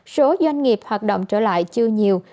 số doanh nghiệp hoạt động trở lại chưa nhiều